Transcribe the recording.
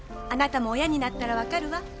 あなたも親になったら分かるわ。